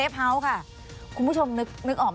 ภาษาอังกฤษ